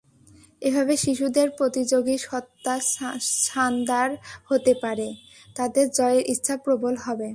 এভাবে শিশুদের প্রতিযোগী সত্তা শাণদার হতে পারে, তাদের জয়ের ইচ্ছা প্রবল হবে।